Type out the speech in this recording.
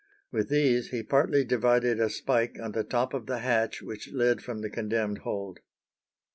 With these he partly divided a spike on the top of the hatch which led from the condemned hold.